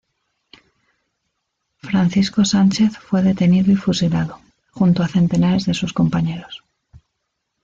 Francisco Sánchez fue detenido y fusilado, junto a centenares de sus compañeros.